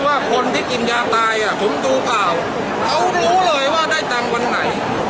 ว่าคนที่กินยาตายอ่ะผมดูเปล่าเขารู้เลยว่าได้ตังค์วันไหน